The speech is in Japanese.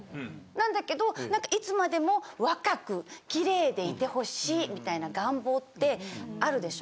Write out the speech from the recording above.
なんだけどなんかいつまでも若くキレイでいて欲しいみたいな願望ってあるでしょ？